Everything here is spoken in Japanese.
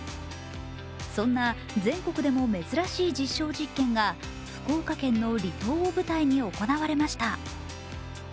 そんな全国でも珍しい実証実験が福岡県の離島を舞台に行われました。